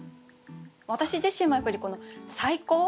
私自身もやっぱりこの「最高」？